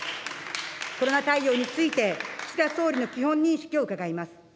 コロナ対応について、岸田総理の基本認識を伺います。